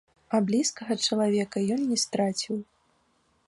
А блізкага чалавека ён не страціў.